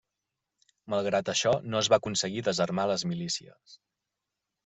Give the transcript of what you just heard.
Malgrat això no es va aconseguir desarmar les milícies.